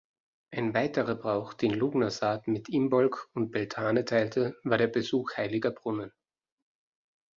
Ein weiterer Brauch, den Lughnasadh mit Imbolc und Beltane teilte, war der Besuch heiliger Brunnen.